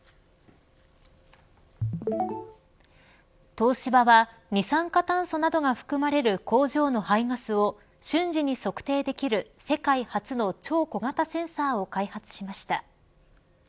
東芝は二酸化炭素などが含まれる工場の排ガスを瞬時に測定できる世界初の超小型センサーを開発しました。